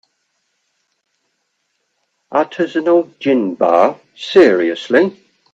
Artisanal gin bar, seriously?!